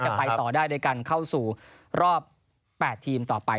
ไปต่อได้โดยการเข้าสู่รอบ๘ทีมต่อไป